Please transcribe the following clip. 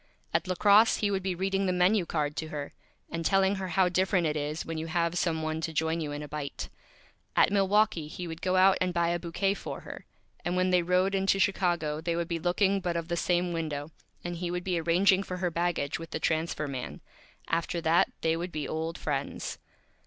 At La Crosse he would be reading the Menu Card to her, and telling her how different it is when you have Some One to join you in a Bite. At Milwaukee he would go out and buy a Bouquet for her, and when they rode into Chicago they would be looking but of the same Window, and he would be arranging for her Baggage with the Transfer Man. After that they would be Old Friends.